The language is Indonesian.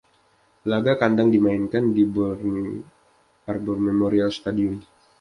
Laga kandang dimainkan di Bernie Arbour Memorial Stadium.